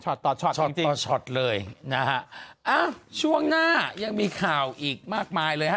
ต่อช็อตช็อตต่อช็อตเลยนะฮะอ้าวช่วงหน้ายังมีข่าวอีกมากมายเลยฮะ